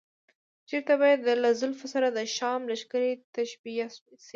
چېرته به چې له زلفو سره د شام لښکرې تشبیه شوې.